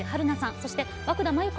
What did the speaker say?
そして和久田麻由子